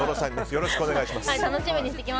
よろしくお願いします。